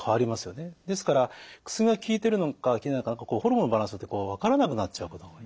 ですから薬が効いてるのか効いてないのかホルモンのバランスで分からなくなっちゃうことが多い。